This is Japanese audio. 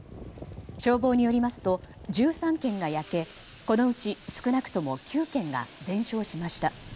消防によりますと１３軒が焼けこのうち少なくとも９軒が全焼しました。